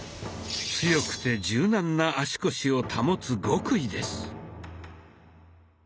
強くて柔軟な足腰を保つ極意です。